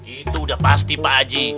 itu udah pasti pak haji